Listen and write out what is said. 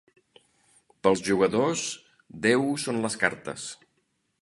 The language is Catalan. Pels jugadors, Déu són les cartes.